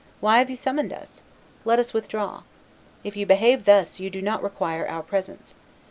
Why have you summoned us? Let us withdraw. If you behave thus, you do not require our presence.